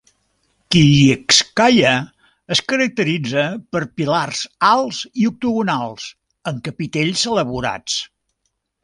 Kiyevskaya es caracteritza per pilars alts i octagonals amb capitells elaborats.